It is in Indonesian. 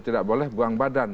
tidak boleh buang badan